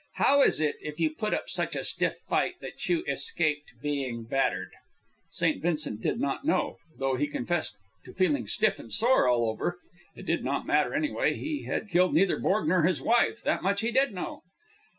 How is it, if you put up such a stiff fight, that you escaped being battered?" St. Vincent did not know, though he confessed to feeling stiff and sore all over. And it did not matter, anyway. He had killed neither Borg nor his wife, that much he did know.